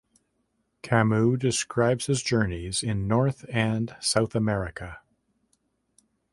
Camus describes his journeys in North and South America.